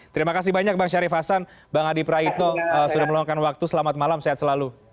terima kasih banyak bang syarif hasan bang adi praitno sudah meluangkan waktu selamat malam sehat selalu